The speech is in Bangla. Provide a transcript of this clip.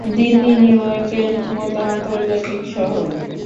দিল্লি নিউইয়র্কের মতো আন্তর্জাতিক শহর।